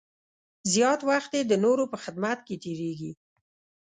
زیات وخت یې د نورو په خدمت کې تېرېږي.